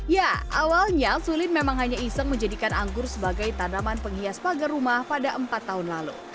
ya awalnya sulin memang hanya iseng menjadikan anggur sebagai tanaman penghias pagar rumah pada empat tahun lalu